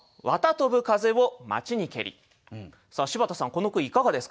さあ柴田さんこの句いかがですか？